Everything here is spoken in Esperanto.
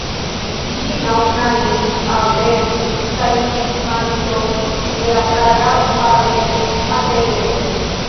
Ĝin aŭ planis aŭ eĉ starigis majstroj de la praga Parler-ateliero.